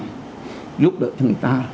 giúp đỡ cho người ta